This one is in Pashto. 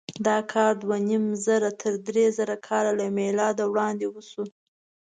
دا کار دوهنیمزره تر درېزره کاله له مېلاده وړاندې وشو.